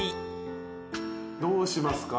どうしますか？